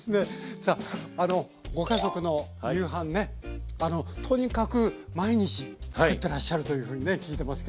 さあご家族の夕飯ねとにかく毎日作ってらっしゃるというふうにね聞いてますけどもね。